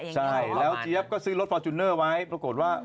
ใช่แล้วเจี๊ยบก็ซื้อรถฟอร์จูเนอร์ไว้ปรากฏว่า